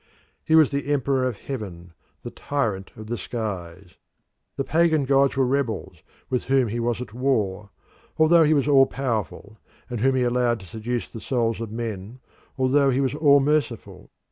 He was the emperor of heaven, the tyrant of the skies; the pagan gods were rebels, with whom he was at war, although he was all powerful, and whom he allowed to seduce the souls of men although he was all merciful.